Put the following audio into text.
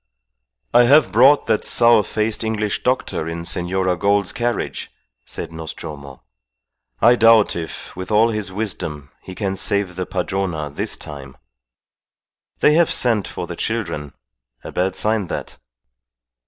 "I have brought that sour faced English doctor in Senora Gould's carriage," said Nostromo. "I doubt if, with all his wisdom, he can save the Padrona this time. They have sent for the children. A bad sign that."